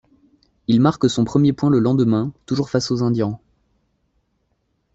Il marque son premier point le lendemain, toujours face aux Indians.